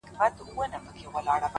اور او اوبه یې د تیارې او د رڼا لوري-